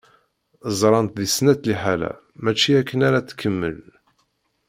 Ẓrant di snat liḥala mačči akken ara tkemmel.